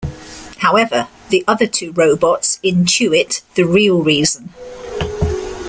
However, the other two robots intuit the real reason.